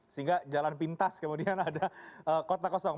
sehingga jalan pintas kemudian ada kota kosong